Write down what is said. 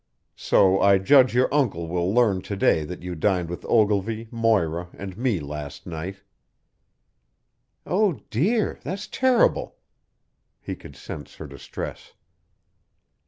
So I judge your uncle will learn to day that you dined with Ogilvy, Moira, and me last night." "Oh, dear! That's terrible." He could sense her distress.